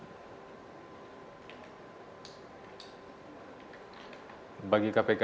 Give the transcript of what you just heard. bagaimana ini kemudian akan mempengaruhi proses hukum selanjutnya